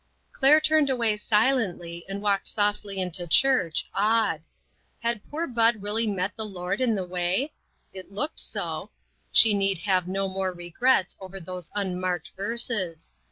Claire turned away silentl} T , and walked softly into church, awed. Had poor Bud really met the Lord in the way ? It looked so. She need have no more regrets over those unmarked verses.